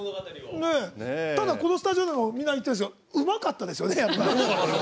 ただ、このスタジオでもみんな言ってますけどうまかったですよね。